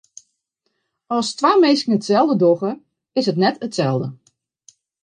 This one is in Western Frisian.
As twa minsken itselde dogge, is it net itselde.